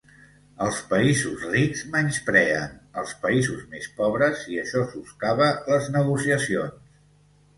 Els països rics menyspreen els països més pobres i això soscava les negociacions.